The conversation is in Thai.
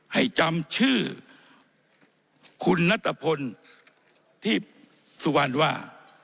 ให้จำชื่อคุณนัตรพลที่สุวรรณว่า